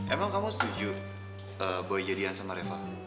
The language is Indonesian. emang kamu setuju boy jadian sama reva